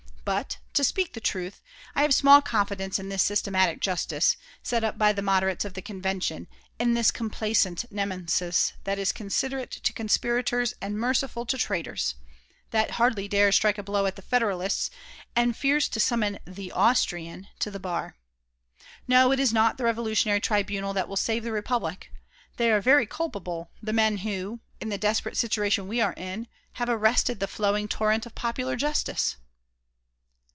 But, to speak truth, I have small confidence in this systematic justice, set up by the moderates of the Convention, in this complaisant Nemesis that is considerate to conspirators and merciful to traitors, that hardly dares strike a blow at the Federalists and fears to summon the Austrian to the bar. No, it is not the Revolutionary Tribunal will save the Republic. They are very culpable, the men who, in the desperate situation we are in, have arrested the flowing torrent of popular justice!"